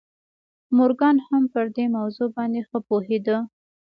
مورګان هم پر دې موضوع باندې ښه پوهېده